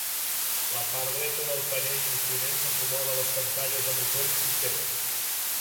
La part dreta del panell d'instruments acomoda les pantalles de motor i sistemes.